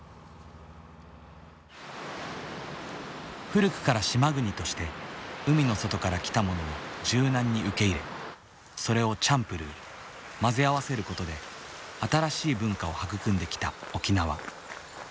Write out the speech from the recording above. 古くから島国として海の外から来たものを柔軟に受け入れそれをチャンプルー混ぜ合わせることで新しい文化を育んできた沖縄。